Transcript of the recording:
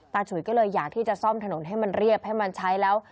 ฉุยก็เลยอยากที่จะซ่อมถนนให้มันเรียบให้มันใช้แล้ว